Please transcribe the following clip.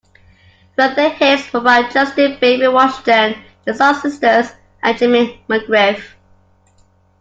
Further hits were by Justine "Baby" Washington, the Soul Sisters and Jimmy McGriff.